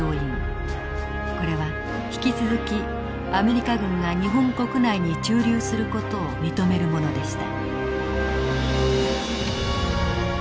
これは引き続きアメリカ軍が日本国内に駐留する事を認めるものでした。